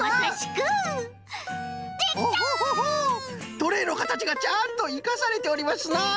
トレーのかたちがちゃんといかされておりますな！